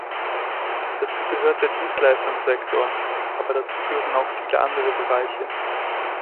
Dazu gehört der Dienstleistungssektor, aber dazu gehören auch viele andere Bereiche.